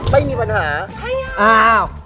ไม่มีปัญหา